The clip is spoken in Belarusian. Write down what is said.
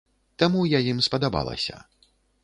Таму я ім спадабалася.